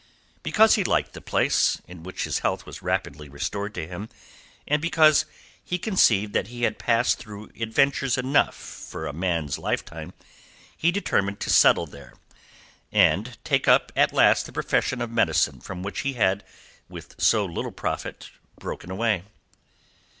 Because he liked the place, in which his health was rapidly restored to him, and because he conceived that he had passed through adventures enough for a man's lifetime, he determined to settle there, and take up at last the profession of medicine from which he had, with so little profit, broken away.